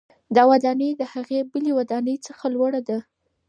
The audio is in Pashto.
دا ودانۍ د هغې بلې ودانۍ څخه لوړه ده.